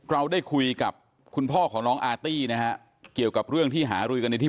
เราได้คุยกับคุณพ่อของน้องอาร์ตี้นะฮะเกี่ยวกับเรื่องที่หารือกันในที่